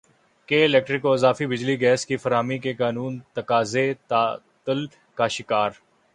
کے الیکٹرک کو اضافی بجلی گیس کی فراہمی کے قانونی تقاضے تعطل کا شکار